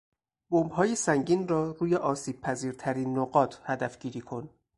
بمبهای سنگین را روی آسیبپذیرترین نقاط هدف گیری کن.